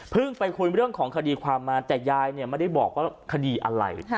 ไปคุยเรื่องของคดีความมาแต่ยายเนี่ยไม่ได้บอกว่าคดีอะไร